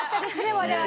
我々。